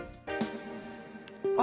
あ！